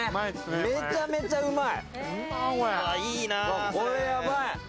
めちゃめちゃうまい！